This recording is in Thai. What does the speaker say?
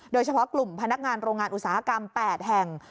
โดยเฉพาะกลุ่มพนักงานโรงงานอุตสาหกรรม๘แห่ง